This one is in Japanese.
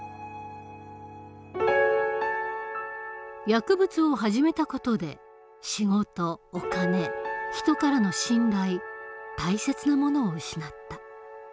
薬物を始めた事で仕事お金人からの信頼大切なものを失った。